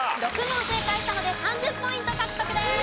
６問正解したので３０ポイント獲得です。